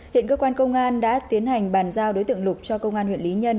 hiện cơ quan công an đã tiến hành bàn giao đối tượng lục cho công an huyện lý nhân